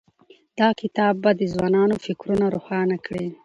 دا کتاب به د ځوانانو فکرونه روښانه کړي.